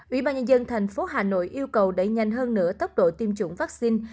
ủy ban nhân dân thành phố hà nội yêu cầu đẩy nhanh hơn nữa tốc độ tiêm chủng vaccine